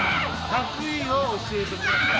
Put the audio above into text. １００位を教えてください。